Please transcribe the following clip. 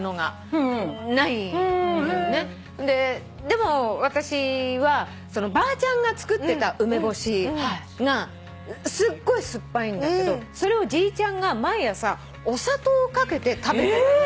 でも私はばあちゃんが作ってた梅干しがすっごい酸っぱいんだけどそれをじいちゃんが毎朝お砂糖を掛けて食べてた。